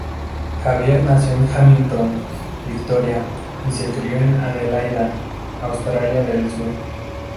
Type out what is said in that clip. Xavier nació en Hamilton, Victoria y se crio en Adelaida, Australia del Sur.